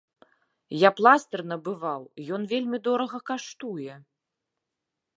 Я пластыр набываў, ён вельмі дорага каштуе.